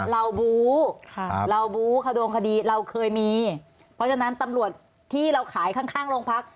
บูเราบู้เขาโดนคดีเราเคยมีเพราะฉะนั้นตำรวจที่เราขายข้างข้างโรงพัก